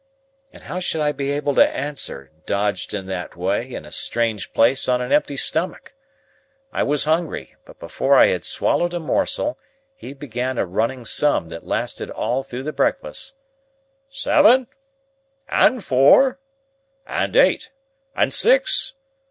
And how should I be able to answer, dodged in that way, in a strange place, on an empty stomach! I was hungry, but before I had swallowed a morsel, he began a running sum that lasted all through the breakfast. "Seven?" "And four?" "And eight?" "And six?"